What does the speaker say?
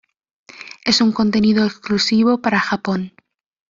Es un contenido exclusivo para Japón.